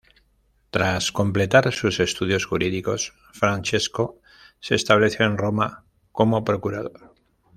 Tras completar sus estudios jurídicos, Francesco se estableció en Roma como procurador.